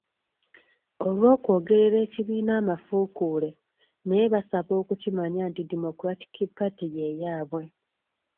Olw'okwogerera ekibiina amafuukuule naye basaba okukimanya nti Democratic Party ye yaabwe.